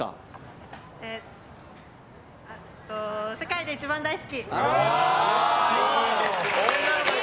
世界で一番大好き！